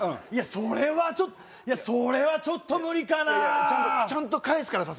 それはちょっそれはちょっと無理かないやいやちゃんとちゃんと返すからさ